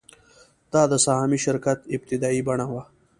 دا د سهامي شرکت ابتدايي بڼه وه